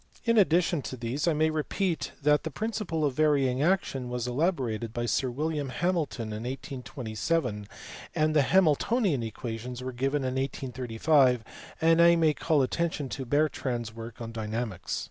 In addition to these I may repeat that the principle of " Varying Action " was elaborated by Sir William Hamilton in 1827. and the " Hamiltonian equations" were given in 1835; and I may call attention to Bertrand s work on dynamics.